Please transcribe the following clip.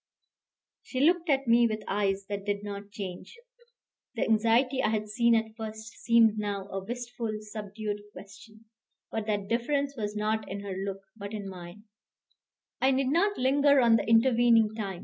She looked at me with eyes that did not change. The anxiety I had seen at first seemed now a wistful, subdued question; but that difference was not in her look but in mine. I need not linger on the intervening time.